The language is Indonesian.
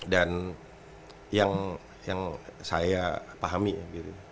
dan yang saya pahami gitu